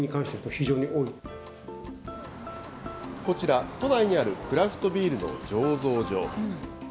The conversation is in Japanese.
こちら、都内にあるクラフトビールの醸造所。